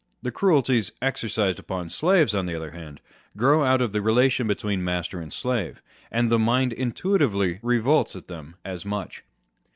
The cruelties exercised upon slaves, on the other hand, grow out of the relation between master and slave ; and the mind intuitively revolts at them as such.